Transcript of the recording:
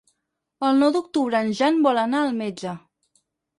El nou d'octubre en Jan vol anar al metge.